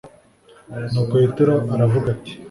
nuko yetiro aravuga ati